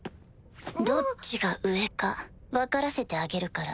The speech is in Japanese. どっちが上か分からせてあげるから。